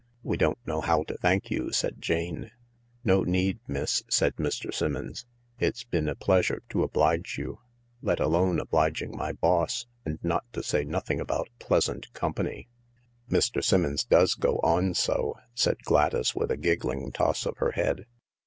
" We don't know how to thank you," said Jane. " No need, miss,"said Mr. Simmons ;" it's been a pleasure to oblige you, let alone obliging my boss, and not to say nothing about pleasant company." " Mr. Simmons does go on so," said Gladys with a giggling toss of her head.